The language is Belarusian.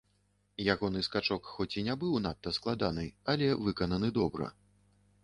Ягоны скачок хоць і не быў надта складаны, але выкананы добра.